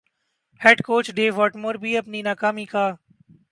head coach Dav Whatmore بھی اپنی ناکامی کا